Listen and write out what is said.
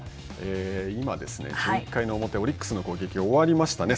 今、１１回の表、オリックスの攻撃が終わりましたね。